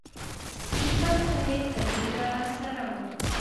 پوپل صاحب تر ډېره راسره و.